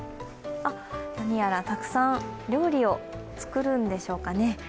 何やらたくさん料理を作るんでしょうかね。